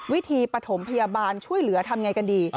วิธีปฐมพยาบาลช่วยเหลือทำไงกันดี